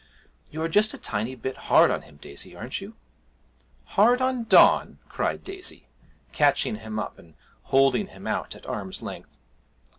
'You're just a tiny bit hard on him, Daisy, aren't you?' 'Hard on Don!' cried Daisy, catching him up and holding him out at arm's length.